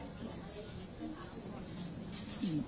ตอนนี้มีโอกาสเพิ่มเป็น๑๐๐สิ่งอะไร